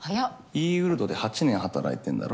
ｅーウルドで８年働いてんだろ？